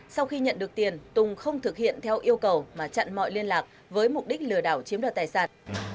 sau khi nhận được tiền tùng không thực hiện theo yêu cầu mà chặn mọi liên lạc với mục đích lừa đảo chiếm đoạt tài sản